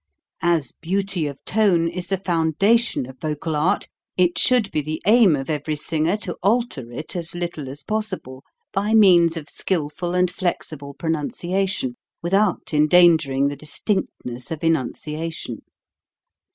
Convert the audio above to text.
As beauty of tone is the foundation of vocal art, it should be the aim of every singer to alter it as little as possible by means of skilful and flexible pro nunciation without endangering the distinct ness of enunciation.